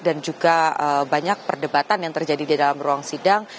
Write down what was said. juga banyak perdebatan yang terjadi di dalam ruang sidang